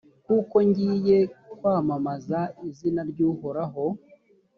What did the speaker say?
kuko ngiye kwamamaza izina ry’uhoraho.